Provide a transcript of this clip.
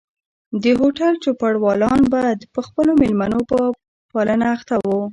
د هوټل چوپړوالان به د خپلو مېلمنو په پالنه اخته وو.